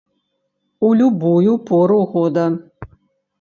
У любую пору года.